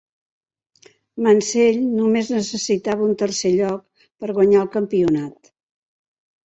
Mansell només necessitava un tercer lloc per guanyar el campionat.